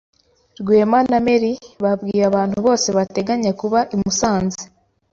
Rwema na Mary babwiye abantu bose bateganya kuba i Musanze.